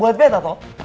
buah beta toh